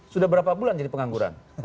sudah berapa bulan jadi pengangguran